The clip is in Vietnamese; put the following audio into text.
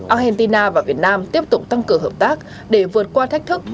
argentina và việt nam tiếp tục tăng cường hợp tác để vượt qua thách thức